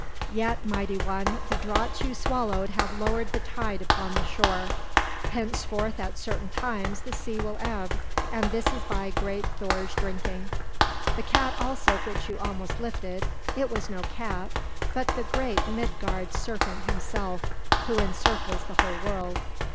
Yet, mighty one, the draughts you swallowed have lowered the tide upon the shore. Henceforth at certain times the sea will ebb; and this is by great Thor's drinking. The cat also which you almost lifted, it was no cat, but the great Midgard serpent himself who encircles the whole world.